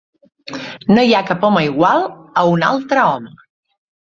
No hi ha cap home igual a un altre home.